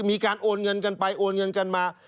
มีการโอนเงินกันไปโอนเงินกันมา